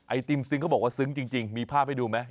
ติมซึ้งเขาบอกว่าซึ้งจริงมีภาพให้ดูไหม